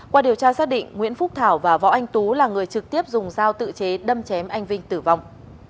qua điều tra xác định nguyễn phúc thảo và võ anh tú là người trực tiếp dùng dao tự chế đâm chém anh vinh tử vong